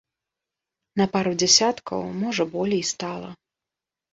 На пару дзясяткаў, можа, болей стала.